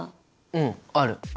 うんある！